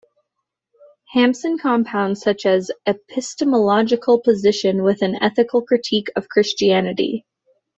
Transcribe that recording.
Hampson compounds such an epistemological position with an ethical critique of Christianity.